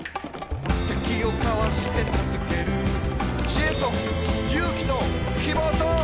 「敵をかわして助ける」「知恵と勇気と希望と」